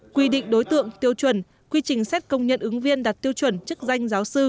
quy định đối tượng tiêu chuẩn quy trình xét công nhận ứng viên đạt tiêu chuẩn chức danh giáo sư